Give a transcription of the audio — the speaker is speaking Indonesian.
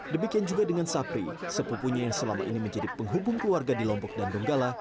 demikian juga dengan sapri sepupunya yang selama ini menjadi penghubung keluarga di lombok dan donggala